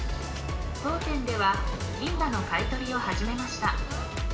当店では、銀歯の買い取りを始めました。